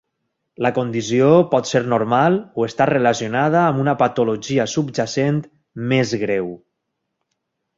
La condició pot ser normal o estar relacionada amb una patologia subjacent més greu.